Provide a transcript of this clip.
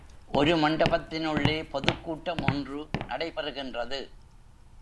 ஒரு மண்டபத்தினுள்ளே பொதுக்கூட்டம் ஒன்று நடைபெறுகின்றது.